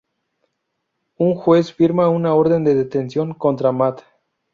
Un juez firma una orden de detención contra Matt.